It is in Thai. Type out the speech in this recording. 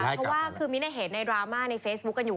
เพราะว่ามินท่ายเห็นในดราม่าในเฟซบุคกันอยู่